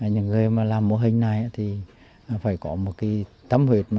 những người mà làm mô hình này thì phải có một cái tâm huyết